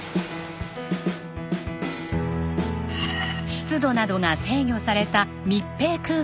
湿度などが制御された密閉空間。